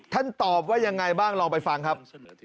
ตอบว่ายังไงบ้างลองไปฟังครับ